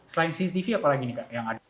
selain cctv apalagi nih kak yang ada